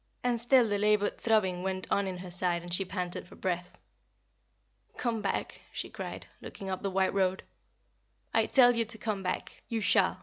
And still the labored throbbing went on in her side and she panted for breath. "Come back," she cried, looking up the white road. "I tell you to come back. You shall.